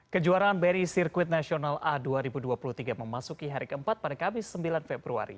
kejuaraan bni sirkuit nasional a dua ribu dua puluh tiga memasuki hari keempat pada kamis sembilan februari